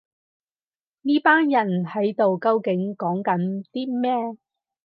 呢班人喺度究竟講緊啲咩